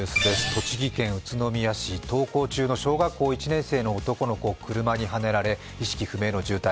栃木県宇都宮市、登校中の小学校１年生の男の子、車にはねられ、意識不明の重体。